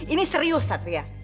ini serius satria